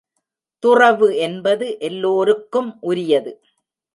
துறவு என்பது எல்லோருக்கும் உரியது.